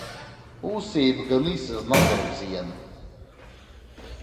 Ус еибганы исызнагар бзиан.